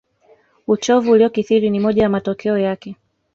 Uchovu uliokithiri ni moja ya matokeo yake